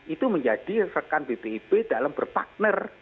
itu menjadi rekan bpip dalam berpartner